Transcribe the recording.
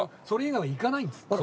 それ以外は行かないんです。